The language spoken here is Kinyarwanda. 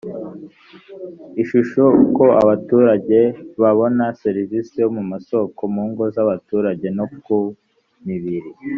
ishusho uko abaturage babona serivisi yo mu masoko mu ngo z abaturage no ku mubiri